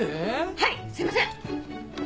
はいすいません！